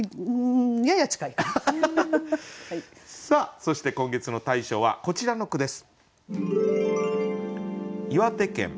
そして今月の大賞はこちらの句です。